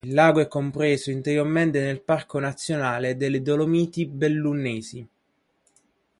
Il lago è compreso interamente nel parco nazionale delle Dolomiti Bellunesi.